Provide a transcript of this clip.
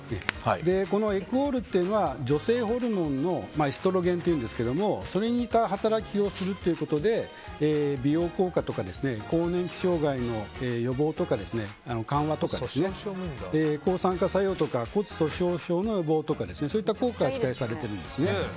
エクオールというのは女性ホルモンのエストロゲンというんですがそれに似た働きをするということで美容効果とか更年期障害の予防とか緩和とか、抗酸化作用とか骨粗しょう症の予防とかそういった効果が期待されているんですね。